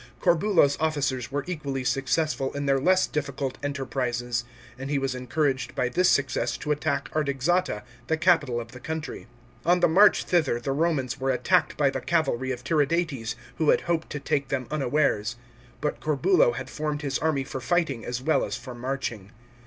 Corbulo's officers were equally successful in their less difficult enter prises, and he was encouraged by this success to attack Artaxata, the capital of the country. On the march thither the Romans were attacked by the cavalry of Tiridates, who had hoped to take them unawares. But Corbulo had formed his army for fighting as well as for marching.